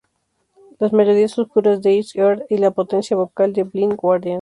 Las melodías oscuras de Iced Earth y la potencia vocal de Blind Guardian.